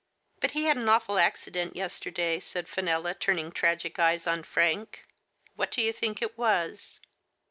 But he had an awful accident yes terday," said Fenella, turning tragic eyes on Frank, " what do you think it was